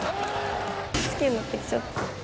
好きになってきちゃった。